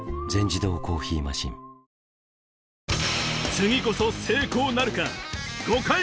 次こそ成功なるか？